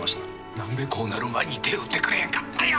何でこうなる前に手打ってくれんかったんや。